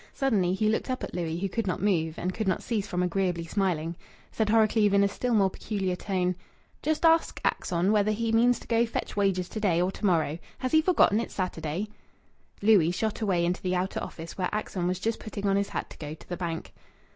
Suddenly he looked up at Louis, who could not move and could not cease from agreeably smiling. Said Horrocleave in a still more peculiar tone "Just ask Axon whether he means to go fetch wages to day or to morrow. Has he forgotten it's Saturday morning?" Louis shot away into the outer office, where Axon was just putting on his hat to go to the bank.